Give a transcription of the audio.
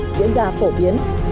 diễn ra phổ biến